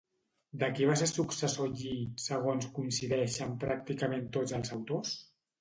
De qui va ser successor Lli segons coincideixen pràcticament tots els autors?